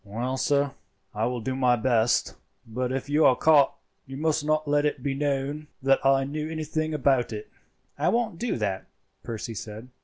"Well, sir, I will do my best; but if you are caught you must not let it be known that I knew anything about it." "I won't do that," Percy said.